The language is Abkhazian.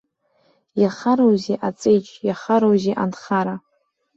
Иахароузеи аҵеџь, иахароузеи анхара?